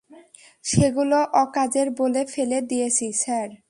সেগুলো অকাজের বলে ফেলে দিয়েছি, স্যার।